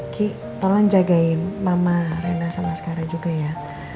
ki tolong jagain mama rena sama sekarang juga ya